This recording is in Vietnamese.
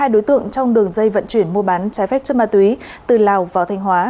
hai đối tượng trong đường dây vận chuyển mua bán trái phép chất ma túy từ lào vào thanh hóa